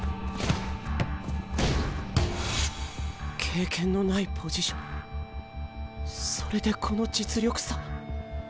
経験のないポジションそれでこの実力差？